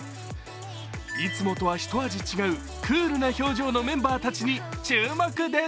いつもとはひと味違うクールな表情のメンバーたちに注目です。